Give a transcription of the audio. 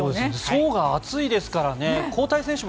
層が厚いですからね。